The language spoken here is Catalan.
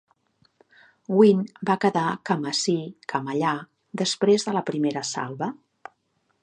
"Gwin" va quedar cama ací, cama allà després de la primera salva.